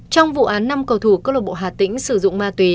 trong vụ án năm cầu thủ cơ lộc bộ hà tĩnh sử dụng ma túy